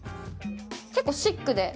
結構、シックで。